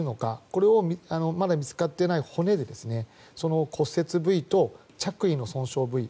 これをまだ見つかっていない骨で骨折部位と、着衣の損傷部位